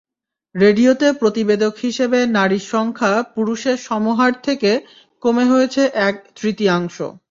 রেডিওতে প্রতিবেদক হিসেবে নারীর সংখ্যা পুরুষের সমহার থেকে কমে হয়েছে এক-তৃতীয়াংশ।